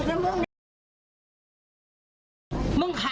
อ้ามึงใคร